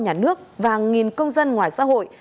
nhà nước và nghìn công dân ngoài xã hội